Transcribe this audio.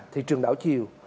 thị trường đảo chiều